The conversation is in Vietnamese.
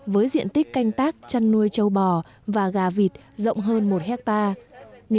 với diện tích canh tác chăn nuôi châu bò và gà vịt rộng hơn một hectare